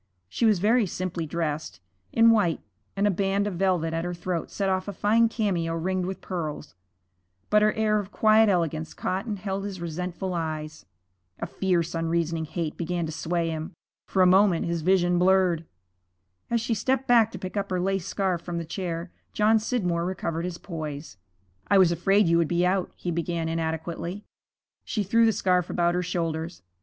She was very simply dressed, in white, and a band of velvet at her throat set off a fine cameo ringed with pearls, but her air of quiet elegance caught and held his resentful eyes. A fierce, unreasoning hate began to sway him; for a moment his vision blurred. As she stepped back to pick up her lace scarf from the chair, John Scidmore recovered his poise. 'I was afraid you would be out,' he began inadequately. She threw the scarf about her shoulders.